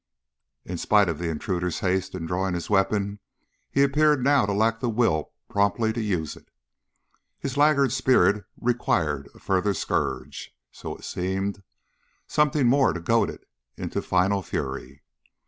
In spite of the intruder's haste in drawing his weapon, he appeared now to lack the will promptly to use it his laggard spirit required a further scourge, so it seemed; something more to goad it into final fury.